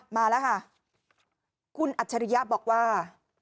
มาแล้วค่ะคุณอัจฉริยะบอกว่า